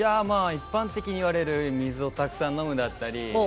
一般的にいわれる水をたくさん飲むだったり。